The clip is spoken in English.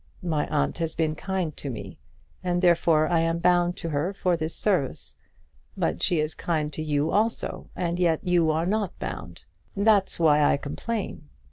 My aunt has been kind to me, and therefore I am bound to her for this service. But she is kind to you also, and yet you are not bound. That's why I complain.